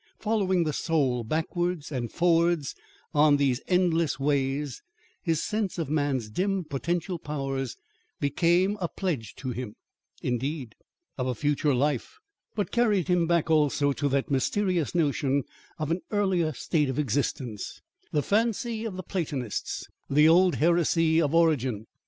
Following the soul, backwards and forwards, on these endless ways, his sense of man's dim, potential powers became a pledge to him, indeed, of a future life, but carried him back also to that mysterious notion of an earlier state of existence the fancy of the Platonists the old heresy of Origen.